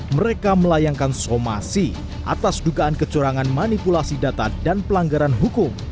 mereka melayangkan somasi atas dugaan kecurangan manipulasi data dan pelanggaran hukum